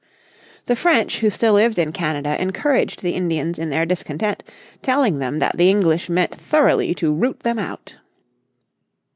The French who still lived in Canada encouraged the Indians in their discontent, telling them that the English meant thoroughly to root them out.